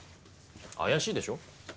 怪しいでしょ？